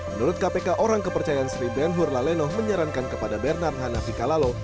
menurut kpk orang kepercayaan sri ben hur laleno menyarankan kepada bernard hanafi kalalo